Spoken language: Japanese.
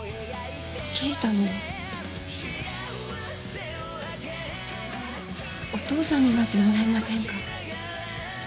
圭太のお父さんになってもらえませんか？